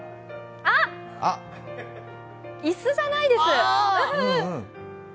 あっ、椅子じゃないです。